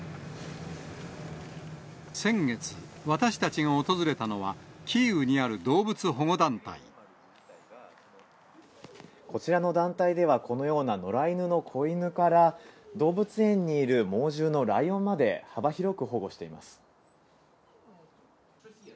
先月、私たちが訪れたのは、こちらの団体では、このような野良犬の子犬から、動物園にいる猛獣のライオンまで、幅広く保護しています。